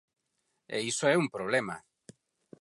E iso é un problema.